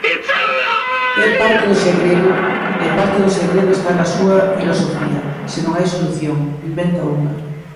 E parte do segredo está na súa filosofía: se non hai solución, inventa unha.